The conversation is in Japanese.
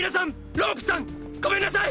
ロープさんごめんなさい！